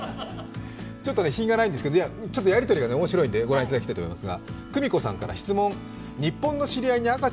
ちょっと品がないんですけど、やり取りが面白いので、ご覧いただきたいと思います。